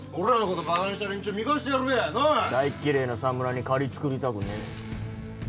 大っ嫌えな侍に借り作りたくねえ。